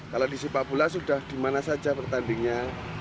kalau di sepak bola sudah di mana saja pertandingnya